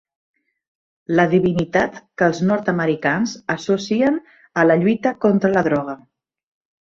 La divinitat que els nord-americans associen a la lluita contra la droga.